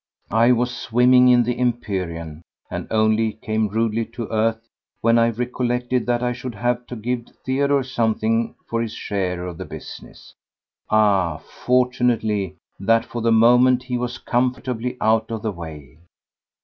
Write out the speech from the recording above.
I was swimming in the empyrean and only came rudely to earth when I recollected that I should have to give Theodore something for his share of the business. Ah! fortunately that for the moment he was comfortably out of the way!